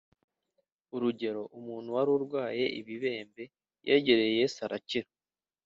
Urugero umuntu wari urwaye ibibembe yegereye Yesu arakira